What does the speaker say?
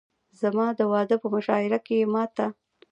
زما د واده په مشاعره کښې يې ما ته